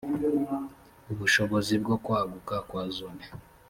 ubushobozi bwo kwaguka kwa zone